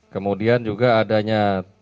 kemudian juga adanya